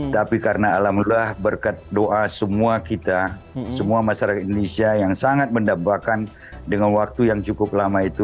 tapi karena alhamdulillah berkat doa semua kita semua masyarakat indonesia yang sangat mendambakan dengan waktu yang cukup lama itu